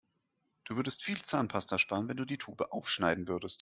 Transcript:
Du würdest viel Zahnpasta sparen, wenn du die Tube aufschneiden würdest.